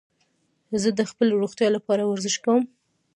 زه د خپلي روغتیا له پاره ورزش کوم.